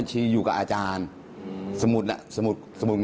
ทิ้งติดต่อมาให้เลย